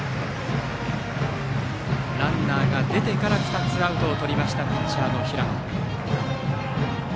ランナーが出てから２つアウトをとりましたピッチャーの平野。